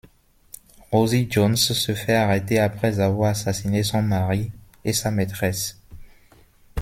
Rosie Jones se fait arrêter après avoir assassiné son mari et sa maîtresse.